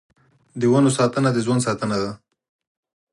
د ونو ساتنه د ژوند ساتنه ده.